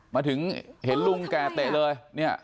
มาถึงเห็นลุงแก่เตะเลยเนี่ย